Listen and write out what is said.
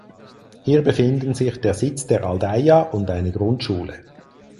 Hier befinden sich der Sitz der Aldeia und eine Grundschule.